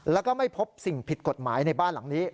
แล้วก็ไม่พบสิ่งผิดกฎหมายในบ้านหลังนี้